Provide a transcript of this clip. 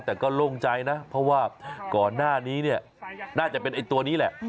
แต่ก็โล่งใจนะเพราะว่าก่อนหน้านี้เนี่ยน่าจะเป็นไอ้ตัวนี้แหละ